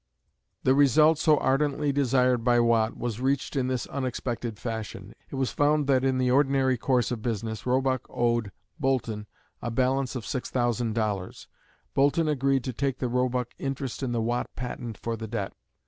The result so ardently desired by Watt was reached in this unexpected fashion. It was found that in the ordinary course of business Roebuck owed Boulton a balance of $6,000. Boulton agreed to take the Roebuck interest in the Watt patent for the debt.